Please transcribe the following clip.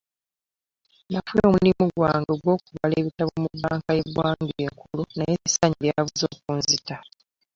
Nafunye omulimu ggwange ogw'okubala ebitabo mu banka ye ggwanga enkulu naye essanyu lyabuze okunzita.